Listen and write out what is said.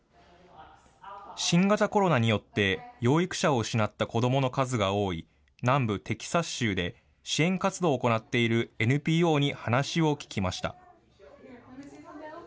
新型コロナによって、養育者を失った子どもの数が多い、南部テキサス州で支援活動を行っているＮＰＯに話を聞きました。